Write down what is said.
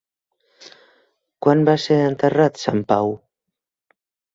Quan va ser enterrat sant Pau?